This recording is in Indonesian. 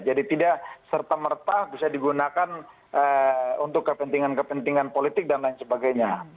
jadi tidak serta merta bisa digunakan untuk kepentingan kepentingan politik dan lain sebagainya